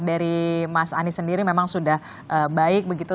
dari mas anies sendiri memang sudah baik begitu